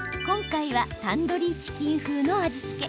今回はタンドリーチキン風の味付け。